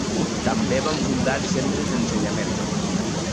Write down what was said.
També va fundar centres d'ensenyament.